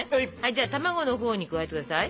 じゃあ卵のほうに加えて下さい。